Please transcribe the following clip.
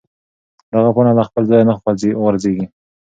دغه پاڼه له خپل ځایه نه غورځېږي.